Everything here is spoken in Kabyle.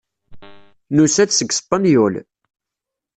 Nusa-d seg Spenyul.